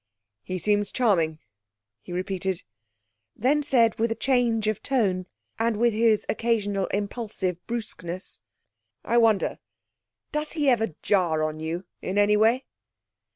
'He seems charming,' he repeated, then said with a change of tone and with his occasional impulsive brusqueness, 'I wonder does he ever jar on you in any way?'